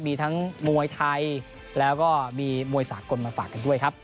มีทั้งมวยไทยแล้วก็มีมวยสากลมาฝากกันด้วยครับ